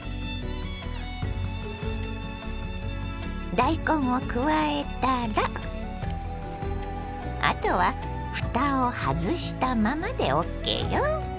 大根を加えたらあとはふたを外したままでＯＫよ。